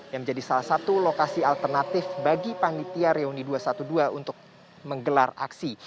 yang menjadi salah satu lokasi alternatif bagi panitia reuni dua ratus dua belas untuk menggelar aksi